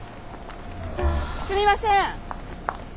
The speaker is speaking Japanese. すみません。